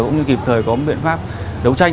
cũng như kịp thời có một biện pháp đấu tranh